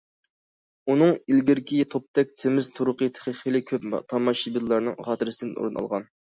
ئۇنىڭ ئىلگىرىكى توپتەك سېمىز تۇرقى تېخى خېلى كۆپ تاماشىبىنلارنىڭ خاتىرىسىدىن ئورۇن ئالغان.